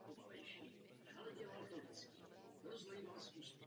Další široké využití nachází v chemickém a potravinářském průmyslu.